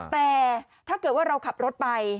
แต่ถ้าเกิดว่าเราขับรถไป